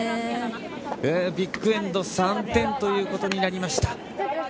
ビッグエンド、３点ということになりました。